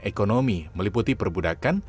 ekonomi meliputi perbudakan